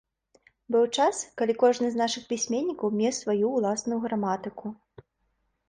Быў час, калі кожны з нашых пісьменнікаў меў сваю ўласную граматыку.